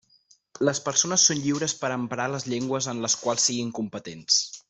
Les persones són lliures per a emprar les llengües en les quals siguen competents.